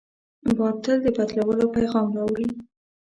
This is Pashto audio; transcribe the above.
باد تل د بدلونو پیغام راوړي